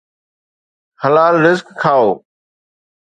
حلال رزق کائو.